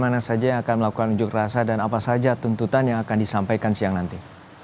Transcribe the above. mana saja yang akan melakukan unjuk rasa dan apa saja tuntutan yang akan disampaikan siang nanti